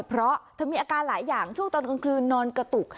เพราะเธอมีอาการหลายอย่างช่วงตอนกลางคืนนอนกระตุก